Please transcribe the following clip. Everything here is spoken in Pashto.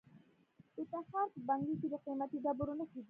د تخار په بنګي کې د قیمتي ډبرو نښې دي.